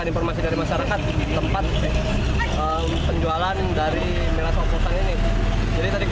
minuman yang dimasukkan plastik